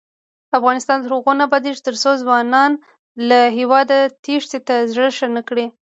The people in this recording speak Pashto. افغانستان تر هغو نه ابادیږي، ترڅو ځوانان له هیواده تېښتې ته زړه ښه نکړي.